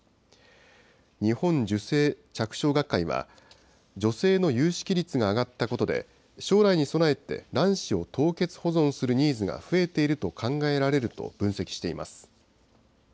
日本受精着床学会は、女性のゆうしき率が上がったことで、将来に備えて卵子を凍結保存するニーズが増えていると考えられると分析しています。